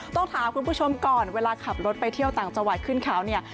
ต้องถามคุณผู้ชมก่อนเวลาขับรถไปเที่ยวต่างจังหวัดขึ้นเขาเนี่ย